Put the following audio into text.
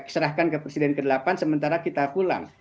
serahkan ke presiden ke delapan sementara kita pulang